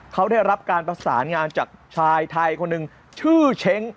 เขาได้รับการประสานงานจากชายไทยคนหนึ่งชื่อเช้ง